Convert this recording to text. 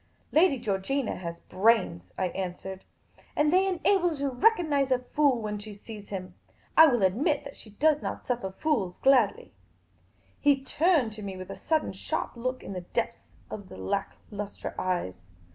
" Lady Georgina has brains," I answered ;" and they enable her to recognise a fool when she sees him. I will admit that she does not suffer fools gladly." He turned to me with a sudden sharp look in the depths of the lack lustre eyes.